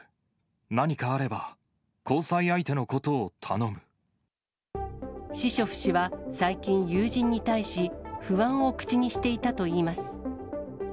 何かあれば、シショフ氏は最近、友人に対し、不安を口にしていたといいます。